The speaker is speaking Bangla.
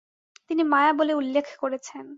তিনি ‘মায়া’ বলে উল্লেখ করেছেন।